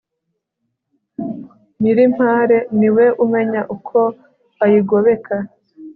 nyiri impare niwe umenya uko ayigobeka